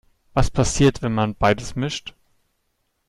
Was passiert, wenn man beides mischt?